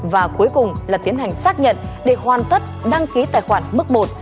và cuối cùng là tiến hành xác nhận để hoàn tất đăng ký tài khoản mức một